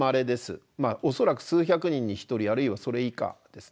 恐らく数百人に一人あるいはそれ以下ですね。